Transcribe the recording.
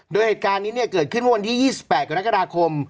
โดยเหตุการณ์นี้เนี้ยเกิดขึ้นวันที่ยี่สิบแปดกว่านักกระดาษคม